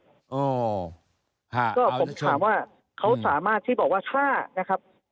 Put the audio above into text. ก็ผมถามว่าเขาสามารถที่บอกว่าถ้านะครับ